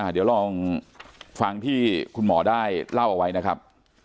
เดี๋ยวลองฟังที่คุณหมอได้เล่าเอาไว้นะครับ